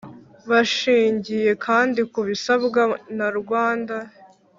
Bashingiye kandi ku bisabwa na rwanda